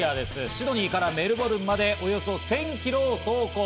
シドニーからメルボルンまで、およそ１０００キロを走行。